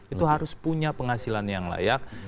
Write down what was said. itu harus punya penghasilan yang layak